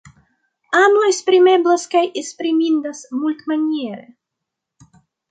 Amo esprimeblas kaj esprimindas multmaniere.